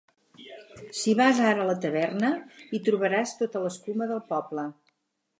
Si vas ara a la taverna, hi trobaràs tota l'escuma del poble.